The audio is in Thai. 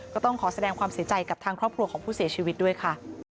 ก็ต้องขอแสดงความเสียใจกับทางครอบครัวของผู้เสียชีวิตด้วยค่ะ